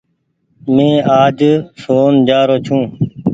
مينٚ آج شون جآ رو ڇو